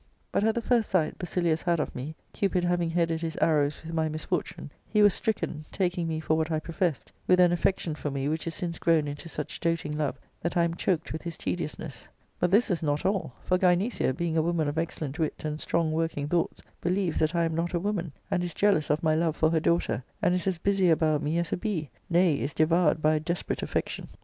But at the first sight Basilius had of me, Cupid having headed his arrows with my misfortune, he was stricken, taking me for what I professed, with an affection for me which is since grown into such doting love that I am choked ^ith his tediousness. But this is not all ; for Gynecia, being a woman of excellent wit and strong working thoughts, be lieves that I am not a woman, and is jealous of my love for her daughter, and is as busy about me as a bee — ^nay, is devoured by a desperate affection.